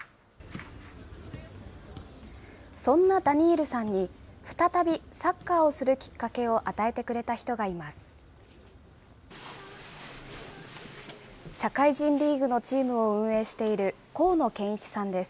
そんなダニールさんに、再びサッカーをするきっかけを与えてくれた人がいます。